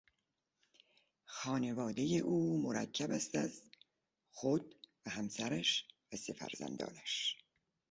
خانوادهی او مرکب است از خود و همسرش و سه فرزندشان